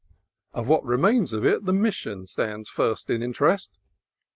Of what remains of it the Mission stands first in interest.